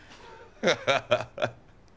ハハハハッ！